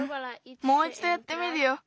もういちどやってみるよ。